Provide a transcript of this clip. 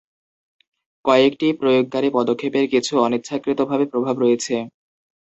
কয়েকটি প্রয়োগকারী পদক্ষেপের কিছু অনিচ্ছাকৃত প্রভাব রয়েছে।